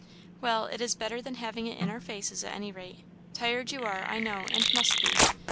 "Well, it is better than having it in our faces, at any rate. Tired you are, I know, and must be.